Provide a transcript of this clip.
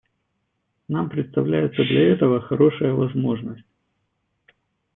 Нам представляется для этого хорошая возможность.